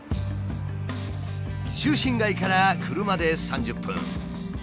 中心街から車で３０分。